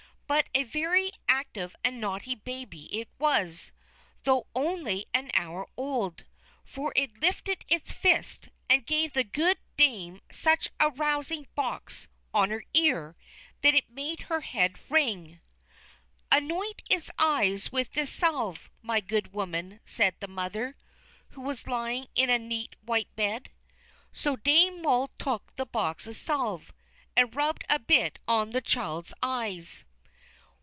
But a very active and naughty baby it was, though only an hour old; for it lifted its fist and gave the good Dame such a rousing box on her ear, that it made her head ring. "Anoint its eyes with this salve, my good woman," said the mother, who was lying in a neat white bed. So Dame Moll took the box of salve, and rubbed a bit on the child's eyes.